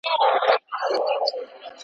ساندي ګډي په بلبلو په باغوان اعتبار نسته ,